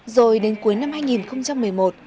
rồi đến cuối năm hai nghìn một mươi một